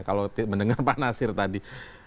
kalau mendengar pak nasir tadi